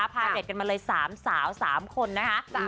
พาอัปเดตกันมาเลย๓สาว๓คนนะคะ